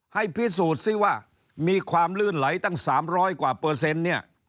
ให้พิสูจน์ซิว่ามีความลื่นไหลตั้ง๓๐๐กว่าเปอร์เซ็นต์เนี่ย